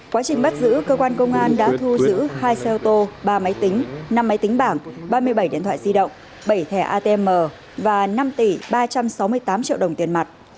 quá trình bắt giữ cơ quan công an đã thu giữ hai xe ô tô ba máy tính năm máy tính bảng ba mươi bảy điện thoại di động bảy thẻ atm và năm tỷ ba trăm sáu mươi tám triệu đồng tiền mặt